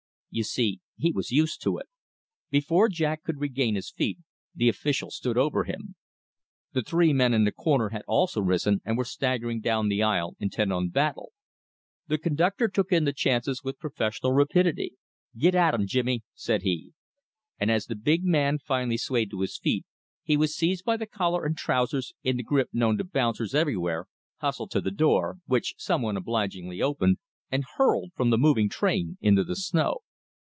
You see, he was used to it. Before Jack could regain his feet the official stood over him. The three men in the corner had also risen, and were staggering down the aisle intent on battle. The conductor took in the chances with professional rapidity. "Get at 'em, Jimmy," said he. And as the big man finally swayed to his feet, he was seized by the collar and trousers in the grip known to "bouncers" everywhere, hustled to the door, which someone obligingly opened, and hurled from the moving train into the snow.